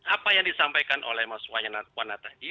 apa yang disampaikan oleh mas wana tadi